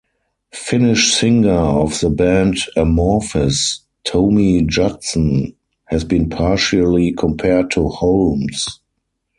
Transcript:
Finnish singer of the band Amorphis, Tomi Joutsen, has been partially compared to Holmes.